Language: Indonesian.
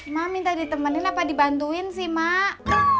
mak minta ditemenin apa dibantuin sih mak